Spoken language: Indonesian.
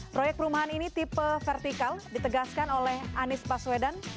proyek perumahan ini tipe vertikal ditegaskan oleh anies paswedan